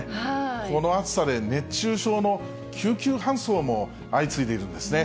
この暑さで熱中症の救急搬送も相次いでいるんですね。